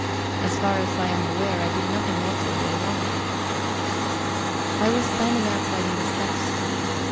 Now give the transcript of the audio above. As far as I am aware, I did nothing awkward or wrong... I was standing outside on the steps.